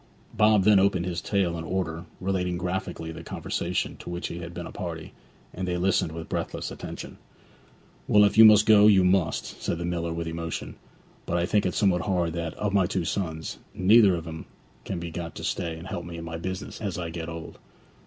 Bob then opened his tale in order, relating graphically the conversation to which he had been a party, and they listened with breathless attention. 'Well, if you must go, you must,' said the miller with emotion; 'but I think it somewhat hard that, of my two sons, neither one of 'em can be got to stay and help me in my business as I get old.'